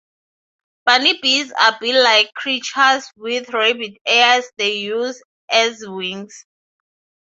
BunnyBees are bee-like creatures with rabbit ears they use as wings.